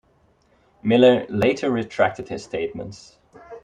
Miller later retracted his statements.